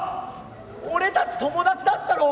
俺たち友達だったろ？